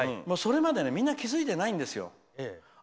それまでみんな気付いてないんです。